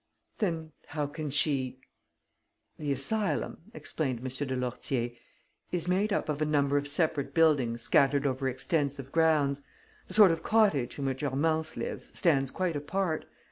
"Then how can she ...?" "The asylum," explained M. de Lourtier, "is made up of a number of separate buildings scattered over extensive grounds. The sort of cottage in which Hermance lives stands quite apart.